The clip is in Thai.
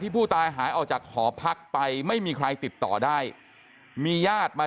ผู้ตายหายออกจากหอพักไปไม่มีใครติดต่อได้มีญาติมา